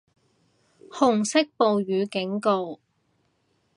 紅色暴雨警告